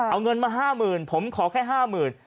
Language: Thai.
เอาเงินมา๕๐๐๐ผมขอแค่๕๐๐๐บาท